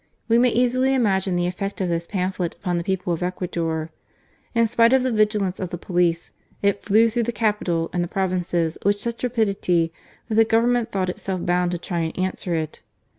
We may easily imagine the effect of this pamphlet upon the people of Ecuador. In spite of the vigilance of the police, it flew through the capital and the provinces with such rapidity that the Government thought itself bound to try and answer it.